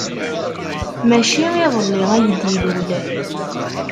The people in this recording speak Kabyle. Maci iḍelli ay d-ilul.